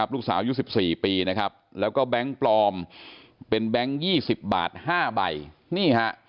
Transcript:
ลูกสาวยู๑๔ปีแล้วก็แบงก์ปลอมเป็นแบงก์๒๐บาท๕ใบ